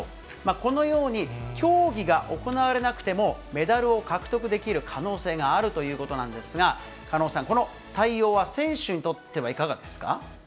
このように、競技が行われなくても、メダルを獲得できる可能性があるということなんですが、狩野さん、この対応は選手にとってはいかがですか？